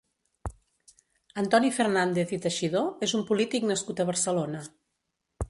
Antoni Fernández i Teixidó és un polític nascut a Barcelona.